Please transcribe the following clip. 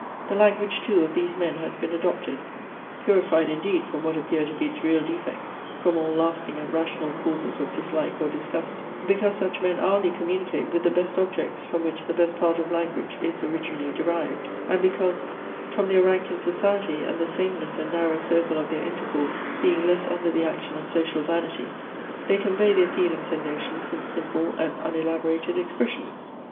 "The language, too, of these men has been adopted (purified indeed from what appear to be its real defects, from all lasting and rational causes of dislike or disgust) because such men hourly communicate with the best objects from which the best part of language is originally derived; and because, from their rank in society and the sameness and narrow circle of their intercourse, being less under the action of social vanity, they convey their feelings and notions in simple and unelaborated expressions."